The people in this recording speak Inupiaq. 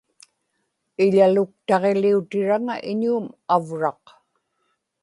iḷaluktaġiliutikkaŋa iñuum avraq